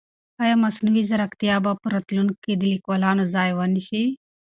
آیا مصنوعي ځیرکتیا به په راتلونکي کې د لیکوالانو ځای ونیسي؟